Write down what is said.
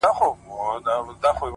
o وهر يو رگ ته يې د ميني کليمه وښايه،